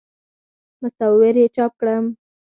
مصور یې چاپ کړم.